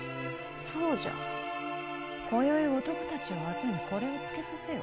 そうじゃ今宵男たちを集めこれをつけさせよ。